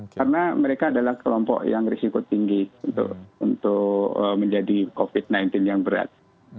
karena mereka adalah kelompok yang risiko tinggi untuk menjadi covid sembilan belas yang berat